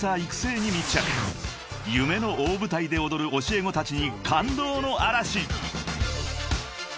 ［夢の大舞台で踊る教え子たちに感動の嵐］